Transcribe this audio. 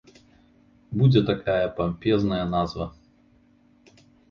Будзе такая пампезная назва.